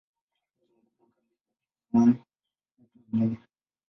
Mji mkubwa kabisa kisiwani huitwa Bima.